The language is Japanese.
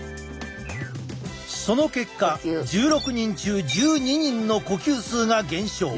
その結果１６人中１２人の呼吸数が減少。